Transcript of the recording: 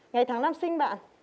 ngày tháng năm sinh bạn